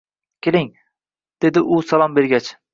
Keling, dedi u salom bergach